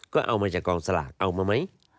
ก็เอามาจากกองสลากเอามาไหม